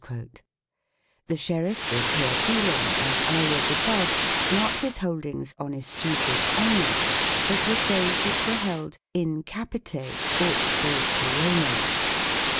3 The sheriff was here dealing, as I was above, not with holdings on escheated "honours," but with those which were held " in capite ut de corona